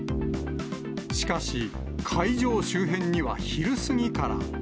しかし、会場周辺には昼過ぎから。